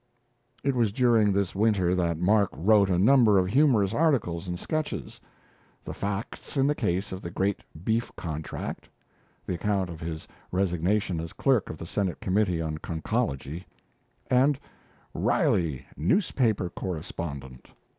It was during this winter that Mark wrote a number of humorous articles and sketches 'The Facts in the Case of the Great Beef Contract', the account of his resignation as clerk of the Senate Committee on Conchology, and 'Riley Newspaper Correspondent'.